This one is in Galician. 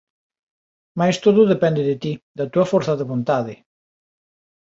Mais todo depende de ti, da túa forza de vontade.